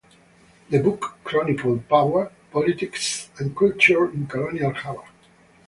The book chronicled power, politics and culture in colonial Java.